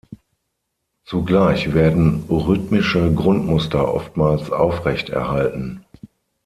Zugleich werden rhythmische Grundmuster oftmals aufrechterhalten.